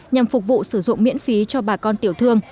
nhằm phục vụ sử dụng miễn phí cho bà con tiểu thương